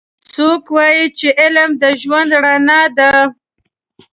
څوک وایي چې علم د ژوند رڼا ده